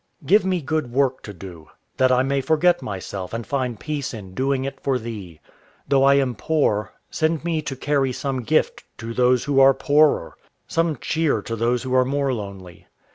Give me good work to do, That I may forget myself and find peace in doing it for Thee. Though I am poor, send me to carry some gift to those who are poorer, Some cheer to those who are more lonely.